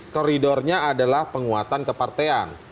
koridornya adalah penguatan kepatean